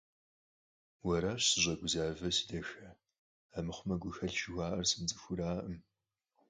Уэращ сыщӀэгузавэр, си дахэ, армыхъумэ гухэлъ жыхуаӀэр сымыцӀыхуу аракъым.